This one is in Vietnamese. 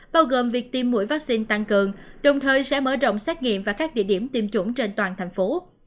bao gồm việc tiêm mũi vaccine tăng cường đồng thời sẽ mở rộng xét nghiệm và các địa điểm tiêm chủng trên toàn thành phố